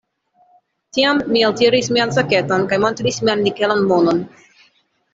Tiam mi eltiris mian saketon kaj montris mian nikelan monon.